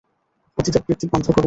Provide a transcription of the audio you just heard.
পতিতাবৃত্তি বন্ধ করো!